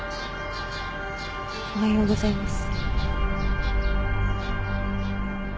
おはようございます。